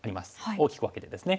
大きく分けてですね。